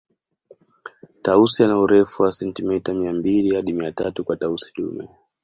Tausi ana urefu wa sentimeta mia mbili hadi mia tatu kwa Tausi dume